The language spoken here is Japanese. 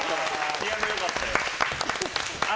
ピアノ良かったよ。